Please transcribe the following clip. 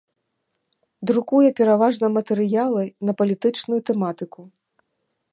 Друкуе пераважна матэрыялы на палітычную тэматыку.